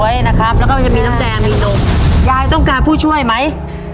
ยายต้องการผู้ช่วยไหม